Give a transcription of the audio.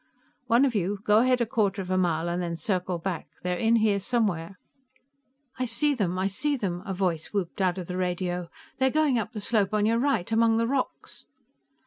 "One of you, go ahead a quarter of a mile, and then circle back. They're in here somewhere." "I see them! I see them!" a voice whooped out of the radio. "They're going up the slope on your right, among the rocks!"